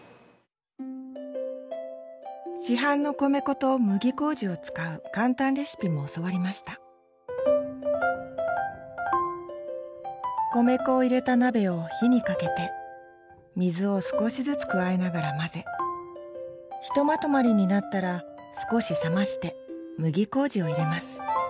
市販の米粉と麦麹を使う簡単レシピも教わりました米粉を入れた鍋を火をかけて水を少しずつ加えながら混ぜひとまとまりになったら少し冷まして麦麹を入れます。